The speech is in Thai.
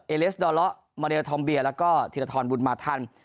เอเลสดอเลาะมะเรลธอมเบียร์แล้วก็ธิรฐรบุรมาธรรม